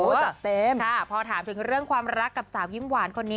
จัดเต็มค่ะพอถามถึงเรื่องความรักกับสาวยิ้มหวานคนนี้